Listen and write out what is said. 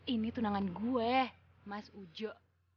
ini tunangan gue mas ujo